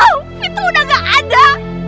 vito udah ga ada